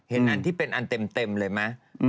อันที่เป็นอันเต็มเลยไหม